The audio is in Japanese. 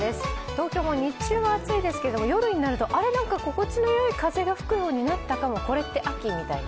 東京も日中は暑いですけれども夜になるとあれ、なんか、心地のよい風が吹くようになったかな、これって、秋？みたいな。